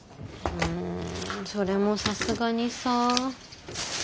うんそれもさすがにさ。